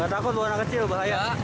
gak takut warna kecil bahaya